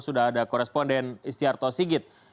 sudah ada koresponden istiarto sigit